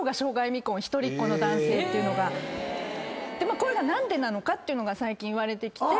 これが何でなのかっていうのが最近いわれてきて。